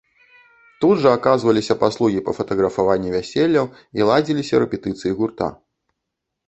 Тут жа аказваліся паслугі па фатаграфаванні вяселляў і ладзіліся рэпетыцыі гурта.